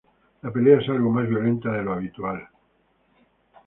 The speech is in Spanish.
La pelea es algo más violenta de lo habitual.